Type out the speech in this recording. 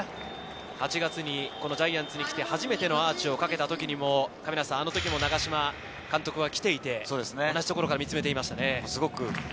８月ジャイアンツに来て初めてのアーチをかけた時にも、長嶋監督は来ていて同じ所から見つめていましたね。